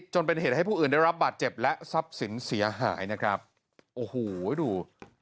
จนเป็นเหตุให้ผู้อื่นได้รับบาดเจ็บและทรัพย์สินเสียหายนะครับโอ้โหดู